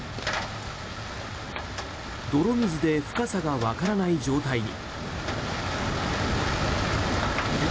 泥水で深さが分からない状態に。